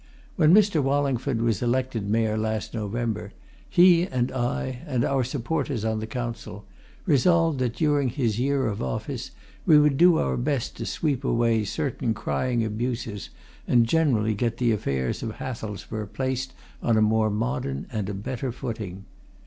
When Mr. Wallingford was elected Mayor last November, he and I, and our supporters on the Council, resolved that during his year of office we would do our best to sweep away certain crying abuses and generally get the affairs of Hathelsborough placed on a more modern and a better footing.